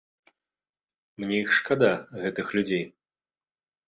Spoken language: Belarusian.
Мне іх шкада, гэтых людзей.